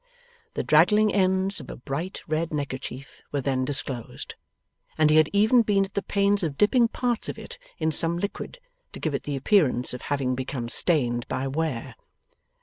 The draggling ends of a bright red neckerchief were then disclosed, and he had even been at the pains of dipping parts of it in some liquid, to give it the appearance of having become stained by wear.